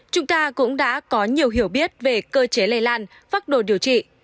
chúng ta cũng đã có nhiều hiểu biết về cơ chế lây lan phác đồ điều trị